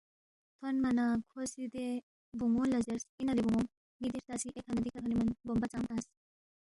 تھونما نہ کھو سی دے بون٘ونگ لہ زیرس، اِنا لہ بون٘ونگ ن٘ی دی ہرتا سی ایکھہ نہ دِکھہ تھونے من نہ گومبہ ژام تنگس؟